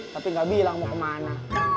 tapi gak bilang mau kemana